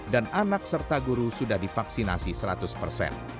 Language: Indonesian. dan anak serta guru sudah divaksinasi seratus persen